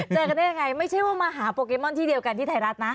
เจอกันได้ยังไงไม่ใช่ว่ามาหาโปเกมอนที่เดียวกันที่ไทยรัฐนะ